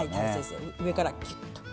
上からキュッと。